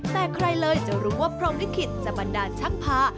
แต่ใครเลยจะรู้ว่าพรมลิขิตจะบันดาลชักพา